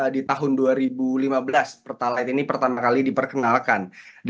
di tahun dua ribu lima belas pertalite ini pertama kali diperkenalkan